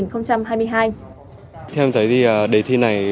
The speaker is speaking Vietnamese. theo em thấy thì đề thi này